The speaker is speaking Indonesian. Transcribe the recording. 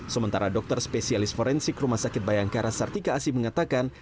sementara dokter spesialis forensik rumah sakit bayangkara sartika asi mengatakan